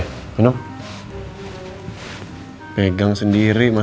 euy evang kaga masih ke dalam nah lima belas